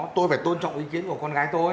tôi phải tôn trọng ý kiến của con gái tôi